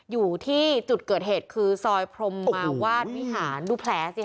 อยู่ที่จุดเกิดเหตุคือซอยพรมมาวาดวิหารดูแผลสิค่ะ